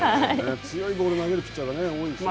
強いボールを投げるピッチャーが多いですよね。